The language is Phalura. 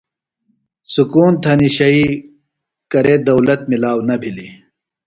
سکون تھنیۡ شئی کرے دولت ملاو نہ بھِلیۡ۔